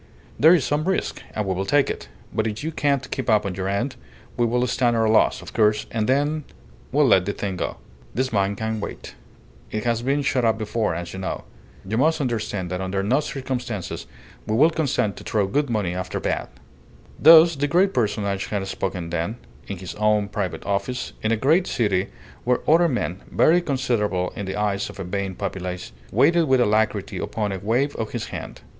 There is some risk, and we will take it; but if you can't keep up your end, we will stand our loss, of course, and then we'll let the thing go. This mine can wait; it has been shut up before, as you know. You must understand that under no circumstances will we consent to throw good money after bad." Thus the great personage had spoken then, in his own private office, in a great city where other men (very considerable in the eyes of a vain populace) waited with alacrity upon a wave of his hand.